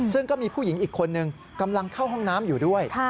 ซึ่งก็มีผู้หญิงอีกคนนึงกำลังเข้าห้องน้ำอยู่ด้วย